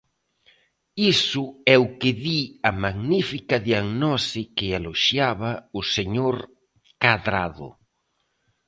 Iso é o que di a magnífica diagnose que eloxiaba o señor Cadrado.